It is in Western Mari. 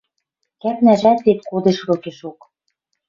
Кӓпнӓжӓт вет кодеш рокешок...